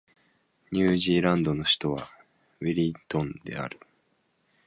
ニュージーランドの首都はウェリントンである